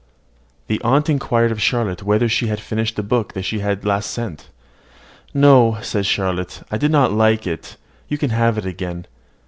The aunt inquired of Charlotte whether she had finished the book she had last sent her. "No," said Charlotte; "I did not like it: you can have it again.